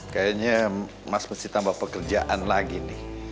kayaknya mas mesti tambah pekerjaan lagi nih